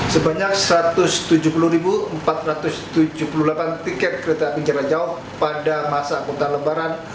sebanyak satu ratus tujuh puluh empat ratus tujuh puluh delapan tiket kereta penjara jauh pada masa angkutan lebaran